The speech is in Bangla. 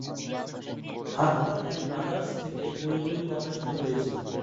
হার্পার অ্যান্ড ব্রাদার্স থেকে বইগুলি প্রকাশিত হয়েছিল।